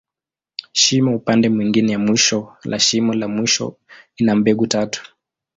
Shimo upande mwingine ya mwisho la shimo la mwisho, ina mbegu tatu.